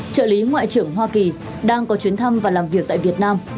trợ lý ngoại trưởng hoa kỳ đang có chuyến thăm và làm việc tại việt nam